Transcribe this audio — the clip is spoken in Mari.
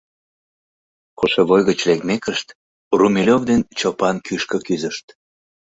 Кошевой гыч лекмекышт, Румелёв ден Чопан кӱшкӧ кӱзышт.